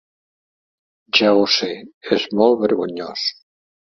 Ja ho sé, és molt vergonyós.